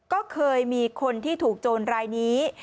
ก็เคยมีคนที่ถูกโจรรายนี้